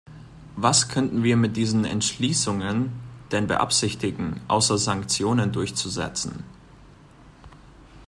Was könnten wir mit diesen Entschließungen denn beabsichtigen, außer Sanktionen durchzusetzen?